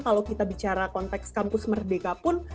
kalau kita bicara konteks kampus merdeka pun